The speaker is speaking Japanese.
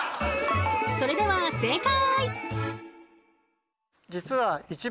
それでは正解！